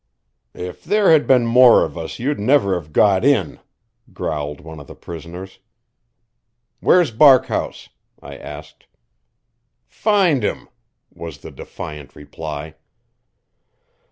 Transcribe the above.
"If there had been more of us, you'd never have got in," growled one of the prisoners. "Where's Barkhouse?" I asked. "Find him!" was the defiant reply.